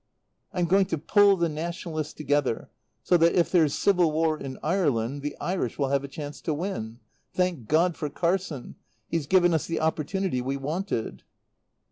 "I'm going to pull the Nationalists together, so that if there's civil war in Ireland, the Irish will have a chance to win. Thank God for Carson! He's given us the opportunity we wanted."